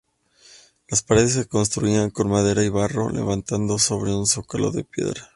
Las paredes se construían con madera y barro, levantados sobre un zócalo de piedra.